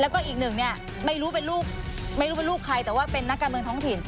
แล้วก็อีกหนึ่งเนี่ยไม่รู้เป็นลูกไม่รู้เป็นลูกใครแต่ว่าเป็นนักการเมืองท้องถิ่น